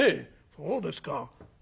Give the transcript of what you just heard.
そうですか。